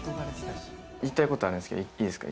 言いたいことあるんですけどいいですか？